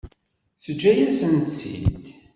Teǧǧa-yasent-tt-id.